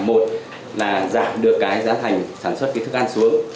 một là giảm được cái giá thành sản xuất cái thức ăn xuống